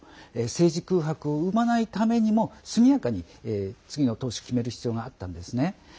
政治空白を生まないためにも速やかに次の党首決める必要があったんですね。